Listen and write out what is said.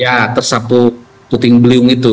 ya tersapu puting beliung itu